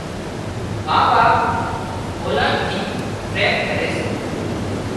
ما ٻاپ اولاد ٿي پريم ڪري سي